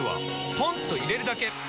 ポンと入れるだけ！